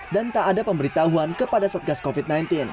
dan tak ada pemberitahuan kepada satgas covid sembilan belas